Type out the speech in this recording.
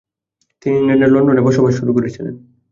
তিনি ইংল্যান্ডের লন্ডনে বসবাস শুরু করেছিলেন।